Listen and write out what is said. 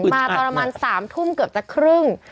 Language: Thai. มาตร๓ทุ่มเกือบจะครึ่ง